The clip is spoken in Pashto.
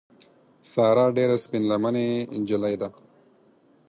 ساره ډېره سپین لمنې نجیلۍ ده.